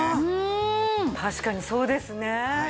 確かにそうですね。